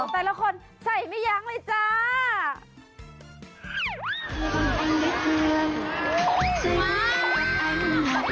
แต่ละคนใส่มั้ยยังเลยจ้า